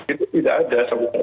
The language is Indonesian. itu tidak ada